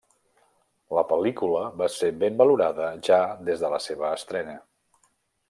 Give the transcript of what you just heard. La pel·lícula va ser ben valorada ja des de la seva estrena.